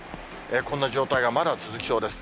こんな状態がまだ続きそうです。